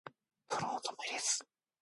진짜 오 분 걸리네요